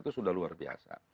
itu sudah luar biasa